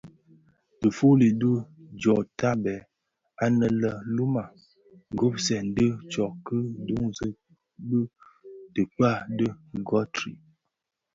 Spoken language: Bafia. Difuli dü dyotanè anë lè luba gubsèn dhi tsog ki dunzi bi dhikpää di Guthrie.